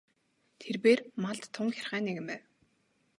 Тэрбээр малд тун гярхай нэгэн байв.